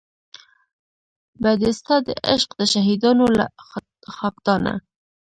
بې د ستا د عشق د شهیدانو له خاکدانه